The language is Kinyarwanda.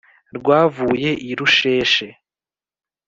rwavuye i rusheshe